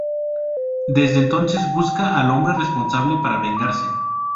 Desde entonces busca al hombre responsable para vengarse.